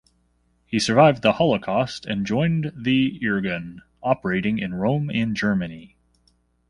He survived the Holocaust and joined the Irgun, operating in Rome and Germany.